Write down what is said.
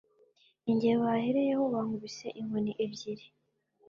Ni jye bahereyeho bankubise inkoni ebyiri